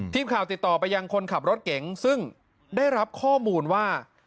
ทีมข่าวติดต่อไปยังคนขับรถเก๋งซึ่งได้รับข้อมูลว่า